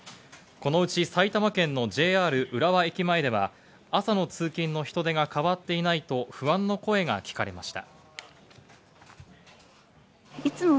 このうち、埼玉県のＪＲ浦和駅前では朝の通勤の人出が変わっていないと不安の声が聞かれました。